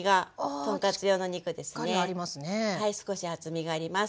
はい少し厚みがあります。